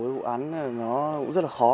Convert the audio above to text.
với vụ án nó cũng rất là khó